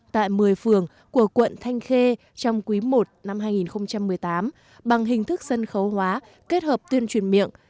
tại một mươi phường của quận thanh khê trong quý i năm hai nghìn một mươi tám bằng hình thức sân khấu hóa kết hợp tuyên truyền miệng